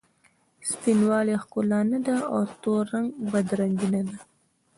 سپین والې ښکلا نه ده او تور رنګ بد رنګي نه ده.